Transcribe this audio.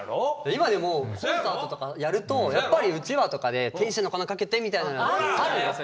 今でもコンサートとかやるとやっぱりうちわとかで「天使の粉かけて」みたいなのあるよ。